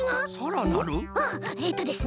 うんえっとですね